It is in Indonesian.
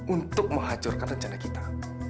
untuk menghancurkan rencana kita